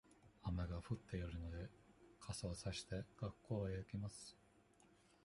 雨が降っているので、傘をさして、学校へ行きます。